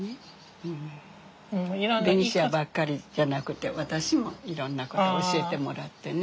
ベニシアばっかりじゃなくて私もいろんなこと教えてもらってね。